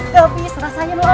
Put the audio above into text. tapi diserah senyumnya